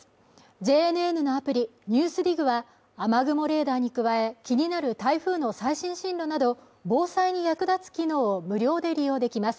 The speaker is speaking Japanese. ＪＮＮのアプリ「ＮＥＷＳＤＩＧ」は雨雲レーダーに加え気になる台風の最新進路など防災に役立つ機能を無料で利用できます